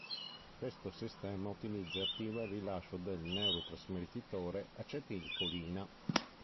Questo sistema utilizza e attiva il rilascio del neurotrasmettitore acetilcolina.